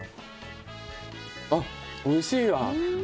あ、おいしいわ。